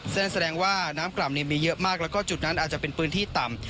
แสดงว่าน้ำกล่ำมีเยอะมากแล้วก็จุดนั้นอาจจะเป็นพื้นที่ต่ำ